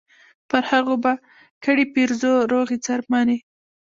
پر هغو به کړي پیرزو روغې څرمنې